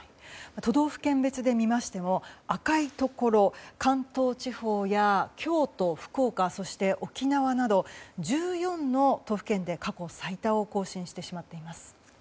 都道府県別で見ましても赤いところ関東地方や京都、福岡そして沖縄など１４の都府県で過去最多を更新してしまっています。